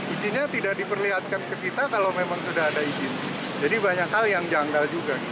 izinnya tidak diperlihatkan ke kita kalau memang sudah ada izin jadi banyak hal yang janggal juga